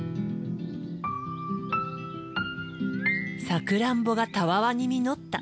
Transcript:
サクランボがたわわに実った。